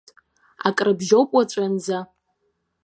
Акрыбжьоуп уаҵәынӡа.